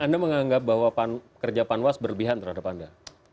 anda menganggap bahwa kerja panwas berlebihan terhadap anda